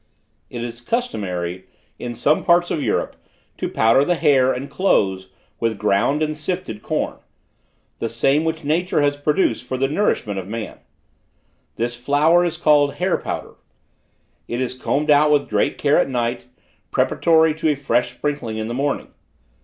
"It is customary, in some parts of Europe, to powder the hair and clothes with ground and sifted corn; the same which nature has produced for the nourishment of man. This flour is called hair powder. It is combed out with great care at night, preparatory to a fresh sprinkling in the morning.